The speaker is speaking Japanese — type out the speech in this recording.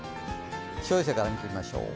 気象衛星から見ていきましょう。